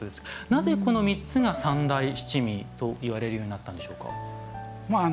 なぜ、この３つが三大七味といわれるようになったんでしょうか。